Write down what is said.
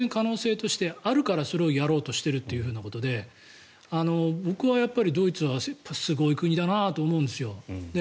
それは当然実現可能性としてあるからそれをやろうとしているということで僕はドイツはすごい国だなと思うんですよ。